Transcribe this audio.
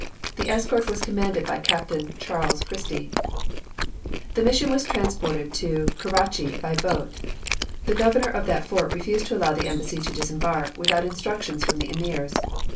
The escort was commanded by Captain Charles Christie. The mission was transported to Keratchy by boat. The governor of that fort refused to allow the embassy to disembark, without instructions from the emirs.